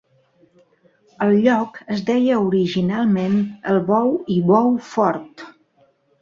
El lloc es deia originalment Elbow i Bow Fort.